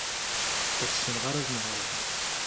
Ur ssineɣ ara ad nehreɣ.